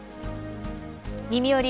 「みみより！